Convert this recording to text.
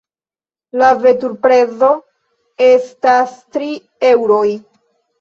La veturprezo estas tri eŭroj.